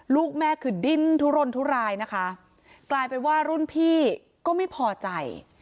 ลูกแม่คือดิ้นทุรนทุรายนะคะกลายเป็นว่ารุ่นพี่ก็ไม่พอใจ